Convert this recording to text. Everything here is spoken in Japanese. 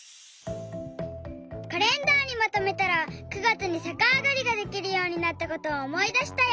カレンダーにまとめたら９月にさかあがりができるようになったことをおもいだしたよ。